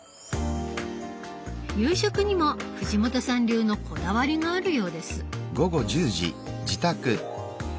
夕食にも藤本さん流のこだわりがあるようです。